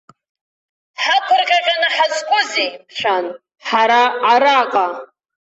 Ҳақәыркьакьаны ҳазкузеи, мшәан, ҳара араҟа?